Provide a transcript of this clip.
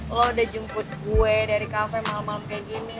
lo udah jemput gue dari kafe malam malam kayak gini